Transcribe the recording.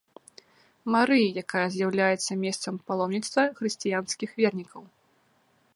Марыі, якая з'яўляецца месцам паломніцтва хрысціянскіх вернікаў.